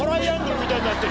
みたいになってる。